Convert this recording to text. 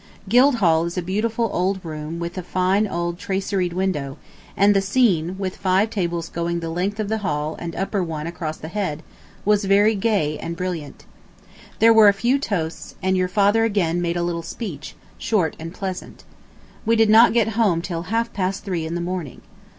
Guildhall is a beautiful old room with a fine old traceried window, and the scene, with five tables going the length of the hall and the upper one across the head, was very gay and brilliant. There were a few toasts, and your father again made a little speech, short and pleasant. We did not get home till half past three in the morning.